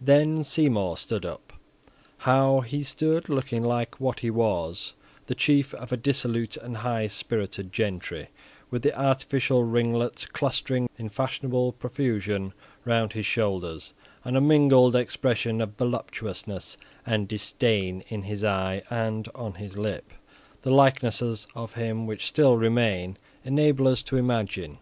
Then Seymour stood up. How he stood, looking like what he was, the chief of a dissolute and high spirited gentry, with the artificial ringlets clustering in fashionable profusion round his shoulders, and a mingled expression of voluptuousness and disdain in his eye and on his lip, the likenesses of him which still remain enable us to imagine.